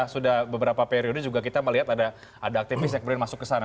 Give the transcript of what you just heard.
sudah beberapa periode juga kita melihat ada aktivis yang kemudian masuk ke sana